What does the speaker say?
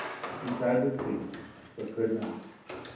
He tried to speak, but could not.